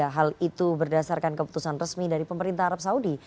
hal itu berdasarkan keputusan resmi dari pemerintah arab saudi